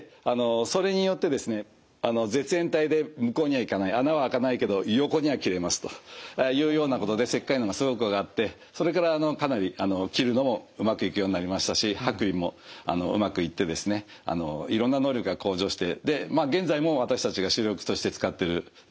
絶縁体で向こうには行かない穴はあかないけど横には切れますというようなことで切開能がすごく上がってそれからかなり切るのもうまくいくようになりましたし剥離もうまくいってですねいろんな能力が向上してで現在も私たちが主力として使っているデバイスですね。